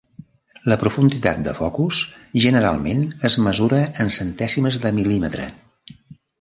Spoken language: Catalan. La profunditat de focus generalment es mesura en centèsimes de mil·límetre.